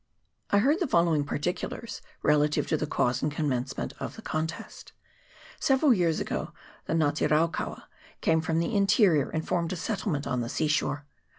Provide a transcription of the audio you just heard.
I heard the following particulars relative to the cause and commencement of the contest : Several years ago the Nga te raukaua came from the in terior, and formed a settlement on the sea shore.